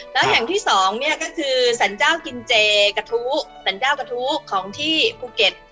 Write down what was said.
แล้วแห่งที่สองเนี่ยก็คือสรรเจ้ากินเจกระทู้สรรเจ้ากระทู้ของที่ภูเก็ต